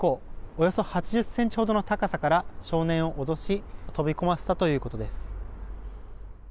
およそ８０ｃｍほどの高さから少年を脅し飛び込ませたということです。